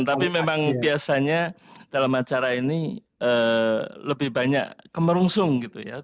tapi memang biasanya dalam acara ini lebih banyak kemerungsung gitu ya